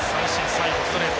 最後、ストレート。